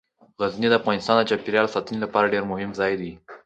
غزني د افغانستان د چاپیریال ساتنې لپاره ډیر مهم ځای دی.